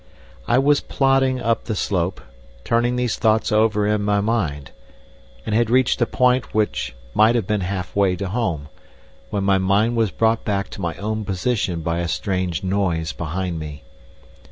I was plodding up the slope, turning these thoughts over in my mind, and had reached a point which may have been half way to home, when my mind was brought back to my own position by a strange noise behind me.